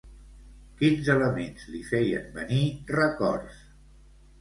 Quins elements li feien venir records?